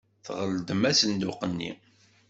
Tɣeldem asenduq-nni.